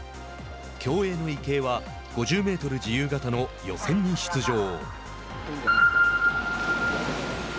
競泳の池江は５０メートル自由形の予選に出場。